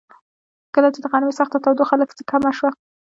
کله چې د غرمې سخته تودوخه لږ څه کمه شوه.